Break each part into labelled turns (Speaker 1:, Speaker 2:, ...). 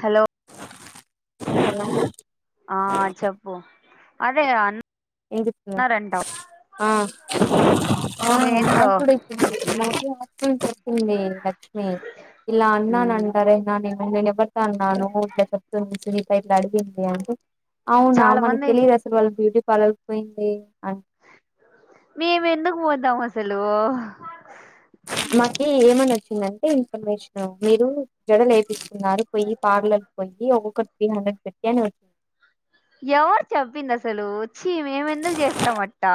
Speaker 1: Hello
Speaker 2: hello
Speaker 1: ఆ చెప్పు అదే అన్
Speaker 2: ఆ అ
Speaker 1: ఏందో
Speaker 2: మాక్కుడా [inaudible] మాకు [unintelligible] ఉమ్మ్ ఇలా
Speaker 1: మ్
Speaker 2: అన్నానంటారే నాని ఊ నేనెవరితో అన్ నాను ఊరికే చె [inaudible] ఫ్రెండ్స్ అడిగింమో అంటే అవునా
Speaker 1: చాలా
Speaker 2: మనకు
Speaker 1: మంది
Speaker 2: తెలియదు అసలు వాళ్లు బ్యూటి పాలల్ పొయింటే అట్
Speaker 1: మేము ఎందుకు పోతాం అసలు
Speaker 2: మాకి ఏమో నచి [unintelligible] దంటే ఇన్ఫర్మేషన్ మీరు జడ లేపిస్తున్నారు పోయ్యి పార్లల్ కు పొయ్యి ఒక్కొక్కరు త్రీ హండ్రెడ్ పెట్టి అని
Speaker 1: ఎవరు చెప్పింది అసలు ఛీ మేమెందుకు చేస్తాం అట్ట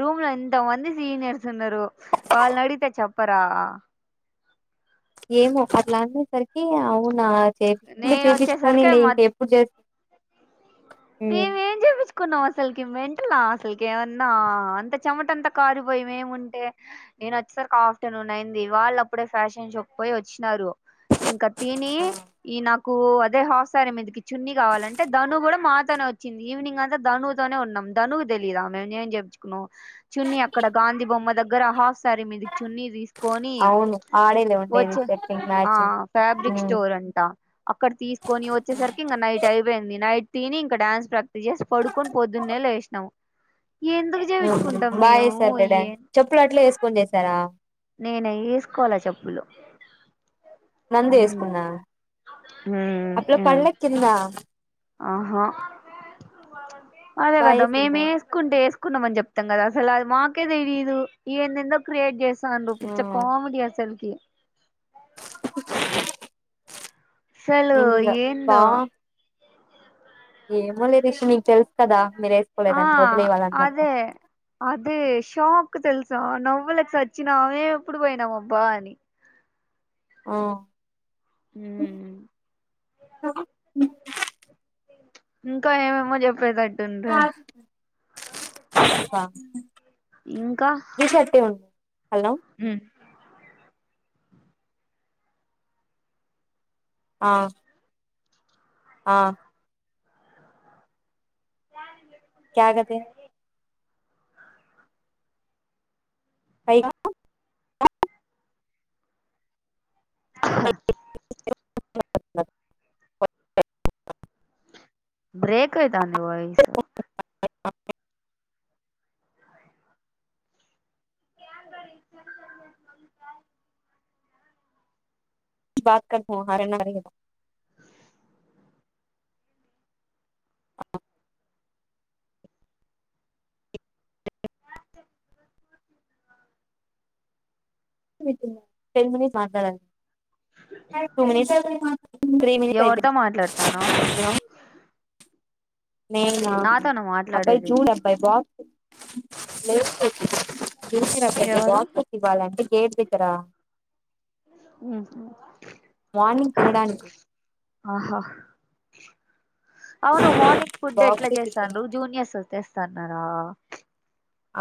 Speaker 1: రూమ్ లో ఎంత మంది సీనియర్స్ ఉన్నారు వాళ్ళనడిగితే చెప్పరా
Speaker 2: ఏమో అట్ల అనేసరికి అవునా చేపిచ్చుకుంటే
Speaker 1: నేను
Speaker 2: చేపిచ్చుకోని
Speaker 1: వచ్చేసరికి
Speaker 2: లే
Speaker 1: మ
Speaker 2: ఇంకెప్పుడు చే ఊమ్మ్
Speaker 1: కున్నాం అసలుకి మెంటలా అసలుకి ఏమన్నా అంత చెమటంత కారిపోయి మెముంటే నేను వచ్చేసరికి ఆఫ్టర్నూన్ అయింది. వాళ్ళు అప్పుడే ఫ్యాషన్ షోకి పోయి వచ్చినారు. ఇంకా తిని ఈ నాక్ కూ అదే ఆఫ్ సారి మీదకి చున్నీ కావాలంటే ధను కూడా మా తను వచ్చింది ఈవినింగ్ అంతా ధనువుతోనే ఉన్నాం ధనువు తెలీయదా మేము ఎం చెపిచ్చుకున్నాం చున్ని అక్కడ గాంధీ బొమ్మ దగ్గర హ సారి మీదికి చున్ని తీసుకొని
Speaker 2: అవును ఆడేలే ఉండేది
Speaker 1: వచ్చే
Speaker 2: సెట్టింగ్
Speaker 1: ఆ
Speaker 2: మ్యాచింగ్
Speaker 1: ఫాబ్రిక్ స్టోర్ అంట అక్కడ తీసుకొని వచ్చేసరికి ఇంకా నైట్ అయిపోయింది నైట్ తిని ఇక డాన్స్ ప్రాక్టీస్ చేసి పడుకుని పొద్దున్నే లేసినాము. ఎందుకు చేయించుకుంటాం
Speaker 2: బాగా
Speaker 1: మేము
Speaker 2: వేశారు లే
Speaker 1: ఏ
Speaker 2: డాన్స్ చెప్పులు అట్లే వేసుకొని చేసారా.
Speaker 1: నేనసుకోలే చెప్పులు
Speaker 2: నంది
Speaker 1: ఉమ్,
Speaker 2: ఏసుకున్న అపుడు పండక్కి ఏలిన
Speaker 1: ఆహ అదే
Speaker 2: బాగా
Speaker 1: కదా మేము
Speaker 2: చేసింది
Speaker 1: ఏసుకుంటే ఎస్ కున్నామని చెప్తాం కదా అసల మాకే తెలీదు ఏందో ఏందో క్రియేట్ చేస్ దండు పిచ్చ కామెడి అసలుకి సలు
Speaker 2: ఇంకా బా
Speaker 1: ఏందో
Speaker 2: ఏమో లే రీషి నీకు తెల్సు కదా మీరు
Speaker 1: ఆ
Speaker 2: వేసుకోలేదని వదిలేయి వాళ్ళందరితో
Speaker 1: అదే అదే షాక్ తెలుసా న ఉల సచ్చినావే ఎప్పుడు పోయినాం అబ్బా అని
Speaker 2: ఓ
Speaker 1: ఊ నేన ఇంకా ఏమేమో చెప్పేదన్ అంట
Speaker 2: [unintelligible]
Speaker 1: ఇంకా
Speaker 2: రిషి అట్టే ఉండు హలో
Speaker 1: ఉ
Speaker 2: ఆ ఆ క్యా కర్తే పయిగా
Speaker 1: హ
Speaker 2: [unintelligible]
Speaker 1: బ్రేక్ అయితాంది వాయిస్
Speaker 2: ఐ అ ఇ
Speaker 1: [inaudible]
Speaker 2: బాత్ కర్త హారేనారేగతం అఅ టెన్ మినిట్స్ మాట్లాడండి టూ మినిట్స్ త్రీ మినిట్స్
Speaker 1: ఎవరితో
Speaker 2: అయిపోయింది
Speaker 1: మాట్లాడతానవ్
Speaker 2: నేనా
Speaker 1: నాతోనా
Speaker 2: అబ్బాయి
Speaker 1: మాట్లాడేది
Speaker 2: చూడ అబ్బాయి బా [inaudible] చూసినప్పతే
Speaker 1: ఎవరు
Speaker 2: బాక్సెస్ ఇవ్వాలంటే గేట్ దగ్గరా
Speaker 1: ఉహు
Speaker 2: మార్నింగ్ తినడానికి
Speaker 1: ఆహా అవును మార్నింగ్ ఫుడ్ ఎట్లా
Speaker 2: బాక్సెస్ ఇవ్వ
Speaker 1: చేస్తాను జూనియర్స్ వస్తేస్తాన్నార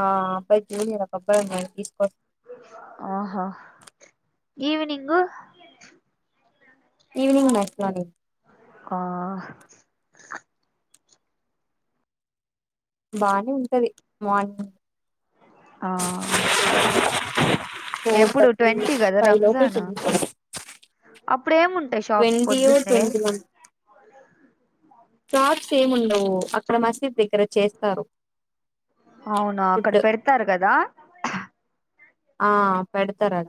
Speaker 2: ఆ ఆ అబ్బాయ్ జూనియర్ ఉన్నాడు తీస్కోన్
Speaker 1: ఆహో ఈవినింగ్
Speaker 2: ఈవినింగ్ నెక్స్ట్ మార్నింగ్
Speaker 1: ఆ
Speaker 2: బానే ఉంటది మార్నింగ్
Speaker 1: ఆ
Speaker 2: ఫోర్
Speaker 1: ఎప్పుడు
Speaker 2: థర్టీ
Speaker 1: ట్వంటీ కదా
Speaker 2: ఫైవ్ లోపే
Speaker 1: రంజాన్
Speaker 2: తినేసి
Speaker 1: ఇప్పుడేముంటాయి షాప్స్
Speaker 2: ట్వంటీ ఓ
Speaker 1: పొద్దున్నే
Speaker 2: ట్వంటీ వన్ షాప్స్ ఏముండవు అక్కడ మసీద్ దగ్గర చేస్తారు
Speaker 1: అవునా అక్కడ
Speaker 2: ఫుడ్
Speaker 1: పెడతారు కదా
Speaker 2: ఆ పెడతారద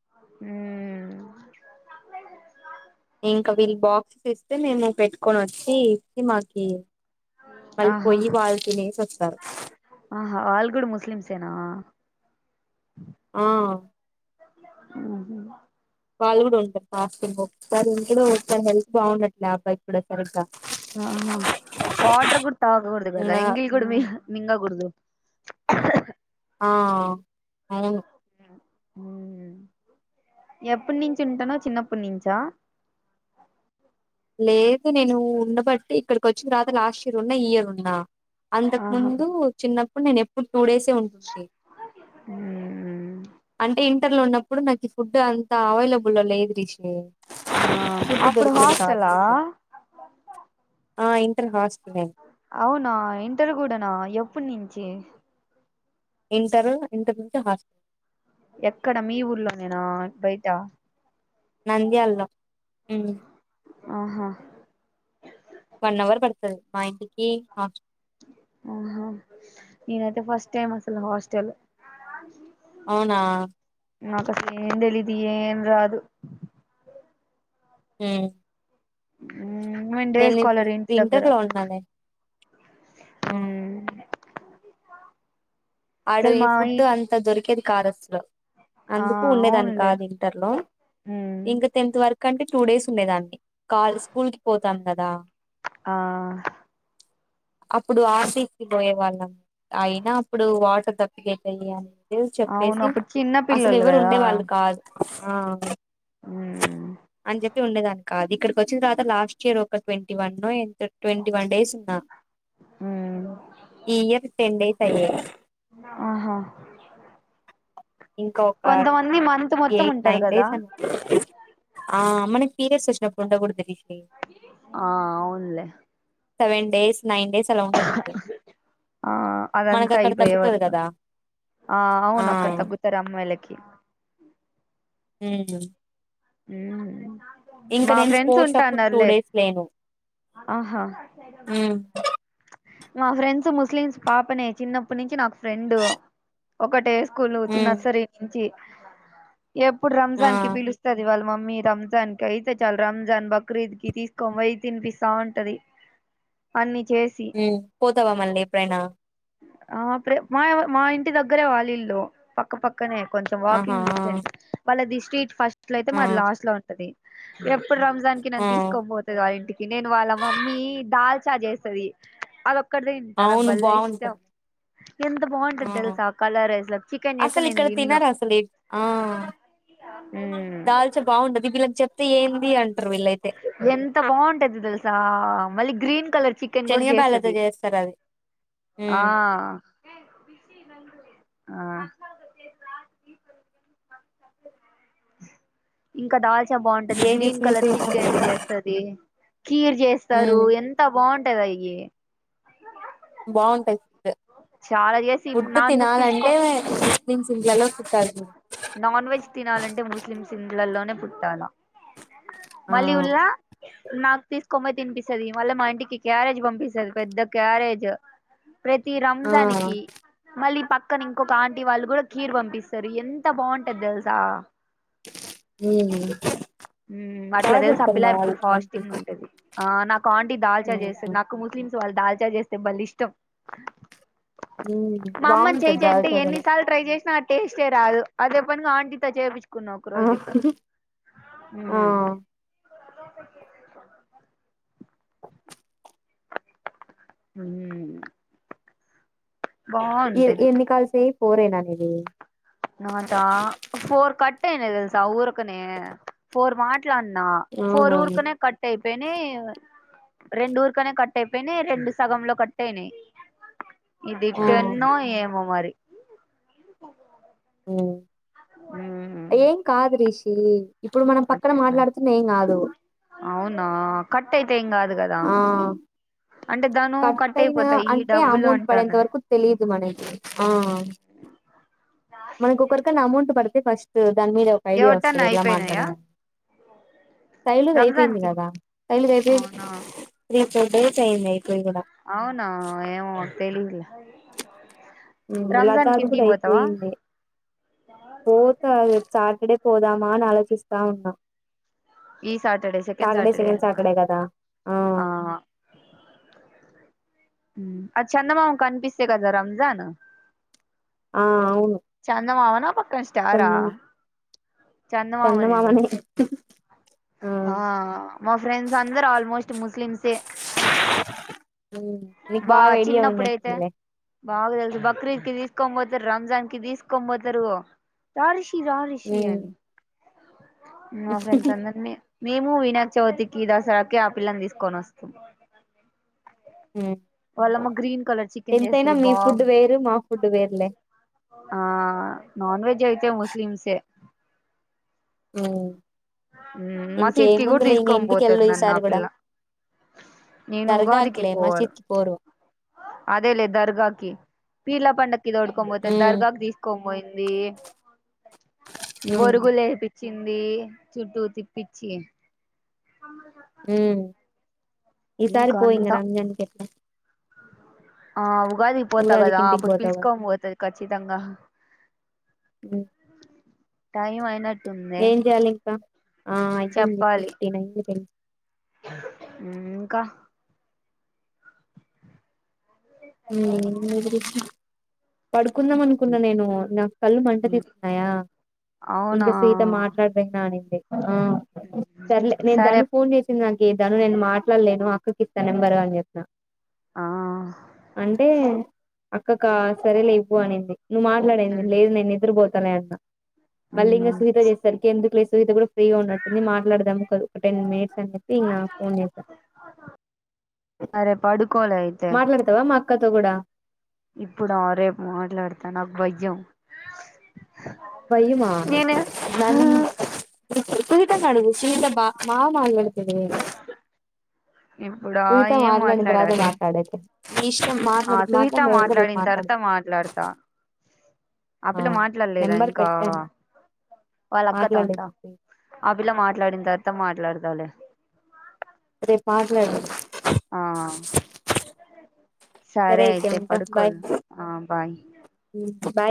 Speaker 1: మ్మ్
Speaker 2: ఇంకా వీళ్ళ బాక్సెస్ ఇస్తే మేము పెట్టుకొని వచ్చి ఇచ్చి మాకి
Speaker 1: ఆహా
Speaker 2: మళ్ళపోయి వాల్తినెస్ స్తారు
Speaker 1: ఆహా ఆల్గుడా ముస్లిలీమ్స్ ఏనా
Speaker 2: ఆ
Speaker 1: మ్మహు
Speaker 2: వాళ్ళు కూడా ఉంటారు ఫాస్టింగ్ ఒకసారి ఉంటాడు ఒకసారి హెల్త్ బాగుండట్లే అబ్బాయికి కూడా సరిగ్గా
Speaker 1: ఆహ వాటర్ కుడ తాగకూడదు కదా
Speaker 2: ఇంగా
Speaker 1: ఎంగిలి కూడా మింగ కుడదు
Speaker 2: ఆ అవును
Speaker 1: హ్మ్ ఎప్పనుంచి ఉంటన్నావ్ చిన్నప్పున్నించా?
Speaker 2: లేదు నేను ఉన్నబట్టి ఇక్కడికి వచ్చి రాత లాస్ట్ ఇయర్ ఉన్నా ఈ ఇయర్ ఉన్నా అంతకు
Speaker 1: ఆహా
Speaker 2: ముందు చిన్నప్పుడు నేను ఎప్పు టూ డేసే ఉంటుంది
Speaker 1: మ్మ్
Speaker 2: అంటే ఇ ఇంటర్ లో ఉన్నప్పుడు నాకు ఫుడ్ అంత అవైలబుల్ లో లేదు రిష్ ఫుడ్డు
Speaker 1: అప్పుడు
Speaker 2: దొరికేది కాదు
Speaker 1: హాస్టలా
Speaker 2: నాకు
Speaker 1: ఆ
Speaker 2: ఆ ఇంటర్ హాస్టల్ నేను
Speaker 1: అవునా ఇంటరు కూడా నా ఎ ప్పున్నుంచి
Speaker 2: ఇంటరు ఇంటర్ నుంచి హాస్
Speaker 1: ఎక్కడ మీ ఊర్లో నేనా బయటా?
Speaker 2: నంద్యాల్లో
Speaker 1: ఆహ
Speaker 2: వన్ అవర్ పడతది మా ఇంటికి హస్ట్
Speaker 1: ఆహా నేనయితే ఫస్ట్ టైమ్ అసలు హాస్టల్
Speaker 2: అవునా
Speaker 1: నాకు అసలు ఏం తెలీదు ఏం రాదు.
Speaker 2: హ్మ్
Speaker 1: హ్మ్ నేన్ డేస్కాలర్ ఇంటి దగ్గర
Speaker 2: ఇంటర్ లో ఉన్నాలే ఆ ఆడు
Speaker 1: అసలు
Speaker 2: ఈ
Speaker 1: మావి
Speaker 2: ఫుడ్డు అంతా దొరికేది కాదస్లు
Speaker 1: ఆ
Speaker 2: అందుకు ఉండేదాన్ని
Speaker 1: అవునులే
Speaker 2: కాదు ఇంటర్ లో ఇంకా తెన్త్ వర్ కంటే టూ డేస్ ఉండేదాన్ని కా స్కూల్ కి పోతాం కదా.
Speaker 1: ఆ
Speaker 2: అప్పుడు ఆఫీస్ కి పోయే వాళ్ళం. అయినా ప్పుడు వాటర్ దప్పికైతై అని న్యూస్
Speaker 1: అవును
Speaker 2: చెప్పేసి
Speaker 1: అప్పుడు చిన్న
Speaker 2: అసలు
Speaker 1: పిల్లలు
Speaker 2: ఎవరు
Speaker 1: కదా
Speaker 2: ఉండే వాళ్ళు కాదు. ఆ అంజ ఉండేదాన్ని కాదు ఇక్కడికి వచ్చిన తవాత లాస్ట్ ఇయర్ ఒక ట్వంటీ వన్నో ఎంతో ట్వంటీ వన్ డేస్ ఉన్నా. ఇయ్యరు టెన్ డేస్ [unintelligible]
Speaker 1: ఆహా
Speaker 2: ఇంకా ఒక
Speaker 1: కొంతమంది మంత్ మొత్తం
Speaker 2: ఎయిట్
Speaker 1: ఉంటారు
Speaker 2: నైన్
Speaker 1: కదా
Speaker 2: డేస్ అన్ ఆ మనకి పీరియడ్స్ వచ్చినప్పుడు ఉండకూడదు లే
Speaker 1: ఆ అవునులే.
Speaker 2: సెవెన్ డేస్ నైన్ డేస్ అలా ఉండకూడదు
Speaker 1: ఆ
Speaker 2: మనకు
Speaker 1: అదంతా
Speaker 2: అక్కడ
Speaker 1: అయిపోయే
Speaker 2: తగ్గుతది
Speaker 1: వరకు,
Speaker 2: కదా
Speaker 1: ఆ అవును అక్కడ తగ్గు త్తరు అమ్మాయిలకి
Speaker 2: హ్మ్
Speaker 1: మ్మ్
Speaker 2: ఇంకా నేను స్పోర్ట్స్ అప్పుడు టూ డేస్ లేను.
Speaker 1: ఆహా
Speaker 2: ఉమ్
Speaker 1: మా ఫ్రెండ్స్ ముస్లిమ్స్ పాపనే చిన్నప్పటి నుంచి నాకు ఫ్రెండ్ ఒకటేస్ స్కూలు చీ
Speaker 2: ఉమ్
Speaker 1: నర్సరీ నుంచి ఎప్పుడు
Speaker 2: ఆ
Speaker 1: రంజాన్ కి పిలుస్తది వాళ్ మమ్మీ రంజాన్ కి అయితే చాలు రంజాన్ బక్రీద్ కి తీసుకోన్పోయ్ తినిపిస్తా ఉంటది అన్ని చే
Speaker 2: మ్మ్ పోతావా మళ్ళీ ఎప్పుడైనా
Speaker 1: ఆ ప్ర మా మా ఇంటి దగ్గరే వాళ్ళిల్లు పక్కపక్క పక్కనే కొంచెం
Speaker 2: ఆహా
Speaker 1: వాకింగ్ డిస్టెన్స్ వాళ్ళ ది స్ట్రీట్ ఫస్ట్ అట్ల అయితే
Speaker 2: ఆ
Speaker 1: మాది లాస్ట్ లో ఉంటది ఎప్ ప్పుడు రంజాన్ కి
Speaker 2: ఆ ఆ.
Speaker 1: నను తీసుకోనిపోతది వాళ్ళింటికి నేను వాళ్ళ మమ్మీ దాల్చా చేస్తది అదప్ కటి తింటా నాకు
Speaker 2: అవును
Speaker 1: బల్లే ఇష్టం
Speaker 2: బాగుంటది
Speaker 1: ఎంత బాగుంటది
Speaker 2: ఆ
Speaker 1: తెలుసా కలర్ చికెన్ చేస్తే
Speaker 2: అసలు
Speaker 1: నేను
Speaker 2: ఇక్కడ
Speaker 1: తిన్ను
Speaker 2: తినరు అసలు ఏ- ఆ తే ఏంది అన్
Speaker 1: ఎంత బాగుంటాది తెల్సా మళ్ళీగ్ గ్రీన్ కలర్ చికెన్ కూడా
Speaker 2: చనగ బ్యాల్లతో
Speaker 1: చేస్తది
Speaker 2: చేస్తరు అవి
Speaker 1: ఆ ఆ ఇంకా దాల్ తే బాగుంటది
Speaker 2: ఏం
Speaker 1: గ్రీన్
Speaker 2: చేసింది
Speaker 1: కలర్ చికెన్ చేస్తది కీర్ చేస్తారు
Speaker 2: ఉమ్
Speaker 1: ఎంత బాగుంట్ టదయిగీ
Speaker 2: బాగుంటది ఫుడ్
Speaker 1: చాలా చేసి
Speaker 2: ఫుడ్
Speaker 1: నాన్న పిలుచుకో
Speaker 2: తినాలంటే ముస్లిమ్స్ ఇంట్లలో చుట్టాలు
Speaker 1: నాన్ వెజ్ తినాలంటే ముస్లిమ్స్ సిండ్లలోనే పుట్టాల
Speaker 2: ఆ
Speaker 1: మళ్ళీ ఉల్లా నాకు తీసుకోని పోయి తినిపిస్తది మళ్ళీ మా ఇంటికి క్యారేజ్ పంపిస్తది పెద్ద క్యారేజ్ ప్రతి రా
Speaker 2: ఆ
Speaker 1: దానికి మళ్ళీ పక్ క్కన ఇంకొక ఆంటీ వాళ్ళు కూడా కీరు పంపిస్తారు ఎంత బాగుంటది తెలుసా
Speaker 2: ఉమ్
Speaker 1: మ్మ్ అట్ల
Speaker 2: బాగా
Speaker 1: తెలుసు ఆ
Speaker 2: చేస్తారు
Speaker 1: పిల్ల
Speaker 2: మా వాళ్ళు
Speaker 1: ఇప్పుడు
Speaker 2: వంటలు
Speaker 1: ఫాస్టింగ్ ఉంటది ఆ నాక్ కాండి దాల్చా చేస్తారు
Speaker 2: ఉమ్
Speaker 1: నాకు ముస్లిమ్ వాళ్ళుదాల్చార్ చేస్తే బలిష్టం.
Speaker 2: ఉమ్
Speaker 1: మా అమ్మని చేయ్
Speaker 2: బాగుంటది
Speaker 1: చేయ్ అంటే
Speaker 2: దాల్చా కూడా
Speaker 1: ఎన్నిసార్లు ట్రై చేసినా అట్ టేస్టే రాదు అదే పనిగా ఆంటీతో చేపిచ్చు కున్న ఒక
Speaker 2: ఆ
Speaker 1: రోజు
Speaker 2: ఆ
Speaker 1: ఊమ్మ్ ఉమ్మ్
Speaker 2: ఎ ఎన్ని కాలుస్తది. ఫోరేనా నీది
Speaker 1: నోటా ఫోర్ కట్ అయినయ్ తెల్సా ఊరక్ కనే ఫోర్మార్ట్ ఇట్లన్న ఫోర్
Speaker 2: అవునా
Speaker 1: ఊరుకనే కట్ అయి పెనీ రెండు ఊరుకనే కట్ అయిపోయినాయ్ రెండు సగంలో కట్టయినాయి. ఇది
Speaker 2: ఆ
Speaker 1: పెన్నో ఏమో మరి
Speaker 2: ఉమ్. ఏం కాదు రిషి ఇప్పుడు మనం పక్కన
Speaker 1: అట్టే మరి
Speaker 2: మాట్లాడుతున్న ఏం కాదు.
Speaker 1: అవునా కట్టై
Speaker 2: ఆ
Speaker 1: అంటే ధను
Speaker 2: కట్ అయినా
Speaker 1: అయిపోతాయి ఈ
Speaker 2: అంటే
Speaker 1: డబ్బులు
Speaker 2: అమౌంట్ పడేంత
Speaker 1: అంటన్నది
Speaker 2: వరకు తెలియదు మనకి ఆ మనకి ఒకరికన్నా అమౌంట్ పడితే ఫస్ట్ ఆ దాని మీద ఒక ఐడియా
Speaker 1: ఎవరికన్నా
Speaker 2: వస్తుంది ఎలా
Speaker 1: అయిపోయినాయా
Speaker 2: మాట్లాడలో శైలుది
Speaker 1: రంజాన్
Speaker 2: ఐపోంది
Speaker 1: కి
Speaker 2: కదా
Speaker 1: అవునా
Speaker 2: ఇక్కడ డేట్ ఐనాయ్.
Speaker 1: అవునా ఏమో తెలివిలా
Speaker 2: ఉమ్మ్ లతాది కూడా అయిపోయింది, పోతా రేపు సాటర్డే పోదామా అని ఆలోచిస్తా ఉన్నా
Speaker 1: ఈ సాటర్డే సెకండ్
Speaker 2: సాటర్డే
Speaker 1: సాటర్డేన
Speaker 2: సాటర్డే కదా ఆ
Speaker 1: అ చందమామ కన్పిస్తే కధ రంజాను
Speaker 2: ఆ అవును
Speaker 1: చందమామానా పక్కన స్టారా,
Speaker 2: చందమా
Speaker 1: చందమామనే గద ఆ మా ఫ్రెండ్స్ అందరు ఆల్మోస్ట్ ముస్లింసే
Speaker 2: ఉ నీక్ బాగా ఐడియా ఉన్నట్
Speaker 1: చిన్నప్పుడైతే
Speaker 2: ఉందలే
Speaker 1: బాగా తెలుసు బక్రీద్ కి తీసుకొని పోతార్ రంజాన్ కి తీసుకొని పోతారు రా రిషి
Speaker 2: ఉమ్
Speaker 1: అని ఆ ఫెన్డ్స్ అందరినీ మేము వినాయక చవితికి దసరాకి ఆపిల్లను తీసుకొని వస్తం.
Speaker 2: ఉమ్
Speaker 1: వాళ్ళమ్మా గ్రీన్ కలర్ చికెన్
Speaker 2: ఎంతైనా
Speaker 1: చేస్తది
Speaker 2: మీ ఫుడ్
Speaker 1: బాగుంటది
Speaker 2: వేరు మా ఫుడ్ వేరులే
Speaker 1: ఆ నాన్ వెజ్ అయితే ముస్లిమ్సే ఉమ్ మసీద్కిి కూడా
Speaker 2: ఇంకేముందులే ఇంక
Speaker 1: తీసుకొన్
Speaker 2: ఇంటికి
Speaker 1: పోతది
Speaker 2: వెళ్ళు
Speaker 1: నన్న
Speaker 2: ఈసారి
Speaker 1: ఆ
Speaker 2: కూడా
Speaker 1: పిల్ల నేను ఉగాదికి
Speaker 2: దర్గాకులే
Speaker 1: పోవాల
Speaker 2: మసీద్కి పోరు
Speaker 1: అదేలే దర్గాకి. పీర్ల పండక్ దోడుకోన్ పోతే
Speaker 2: ఉమ్
Speaker 1: దర్గాకి తీసుకోన్ పోయింది. ఏ
Speaker 2: ఉమ్
Speaker 1: బొరుగులేపి ఇచ్చింది చుట్టూ తిప్పిచ్చి అ
Speaker 2: ఉమ్
Speaker 1: ఇంక
Speaker 2: ఈసారి పోయింగ
Speaker 1: అంతా
Speaker 2: రంజన్ కేట్ల
Speaker 1: ఆ ఉగాదికి పోతా కదా
Speaker 2: ఇంటికి
Speaker 1: అప్పుడు
Speaker 2: పోతావు కదా
Speaker 1: పీల్చుకోని పోతది కచ్చితంగా.
Speaker 2: ఉమ్
Speaker 1: టైమ్ అయినట్
Speaker 2: ఏం చేయాలింకా ఐ థింక్ [inaudible] ఫిఫ్టీన్ అయ్యింది
Speaker 1: ఉమ్ ఇంకా
Speaker 2: ఉమ్ ఎం [unintelligible] పడుకుందాం అనుకున్నా నేను నాకు కళ్ళు మంట తీస్తున్నాయా
Speaker 1: అవునా
Speaker 2: ఇంక సీత మాట్లాడదనా అనింది ఆ సర్లే నేను
Speaker 1: సరే
Speaker 2: తాను ఫోన్ చేసింది అన్ ఏం తను నేను మాట్లాడ్లేను అక్కకి ఇస్తా నెంబరు అని చెప్న
Speaker 1: ఆ
Speaker 2: అంటే అక్క కా సరేలే ఇవ్ వ్వు అనింది నువ్ మాట్లాడే ఏంద్ లేదులే నేన్ నిద్దురుబో తనే అక్క మళ్ళీ ఇంగ సునీత చేస్తాది ఇంకెందుకులే సునీత గుడా ఫ్రీగా ఉన్నట్టుంది మాట్లాడదాం ఒకలు ఒక టెన్ మినిట్స్ అని చెప్పి ఇంగ ఫోన్ చేసా
Speaker 1: సరే పడుకోలే
Speaker 2: మాట్లాడతావా మా క్క తో గుడా
Speaker 1: ఇప్పుడు ఆ రేపు మాట్లాడతా నాకు భయం
Speaker 2: భయమా
Speaker 1: నేనే
Speaker 2: [unintelligible] [unintelligible] మా మాట్లాడతాడికదా
Speaker 1: ఇప్పుడా
Speaker 2: మీతో
Speaker 1: ఏం
Speaker 2: మాట్లాడింది రాత్రి
Speaker 1: మాట్లాడాలి
Speaker 2: మాట్లాడేకి
Speaker 1: ఆ సునీత మాట్లాడిన్ తర్వాత
Speaker 2: మాట్లాడదు
Speaker 1: మాట్లాడతా. ఆ పిల్ల మాట్లాడలేదా
Speaker 2: నెంబర్
Speaker 1: ఇంకా?
Speaker 2: పెట్టాను మాట్లాడలేదు
Speaker 1: త్త మాట్లాడుతలే
Speaker 2: రేపు మాట్లాడ [inaudible]
Speaker 1: ఆ సరే అయితే పడుకోల్ ఆ బాయ్
Speaker 2: బాయ్